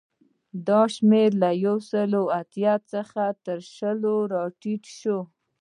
دا شمېر له یو سوه اتیا څخه شلو ته راټیټ شو